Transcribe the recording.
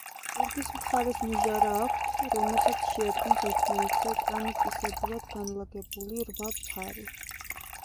ზურგის მხარეს ნიჟარა აქვთ, რომელსაც შეადგენს ერთმანეთზე კრამიტისებურად განლაგებული რვა ფარი.